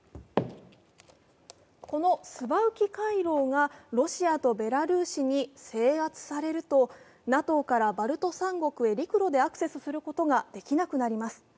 このスバウキ回廊がロシアとベラルーシに制圧されるとＮＡＴＯからバルト三国へ陸路でアクセスすることができなくなります。